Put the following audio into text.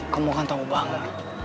kamu kan tau banget